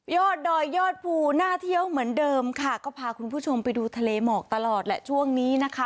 ยอดดอยยอดภูน่าเที่ยวเหมือนเดิมค่ะก็พาคุณผู้ชมไปดูทะเลหมอกตลอดแหละช่วงนี้นะคะ